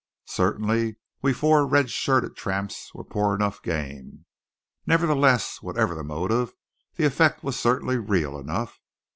Certainly we four red shirted tramps were poor enough game. Nevertheless, whatever the motive, the effect was certainly real enough.